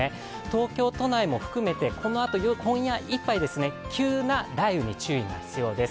東京都内も含めてこのあと今夜いっぱい急な雷雨に注意が必要です。